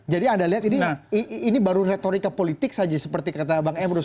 jadi anda lihat ini baru retorika politik saja seperti kata bang emrus